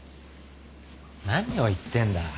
何を言ってんだ。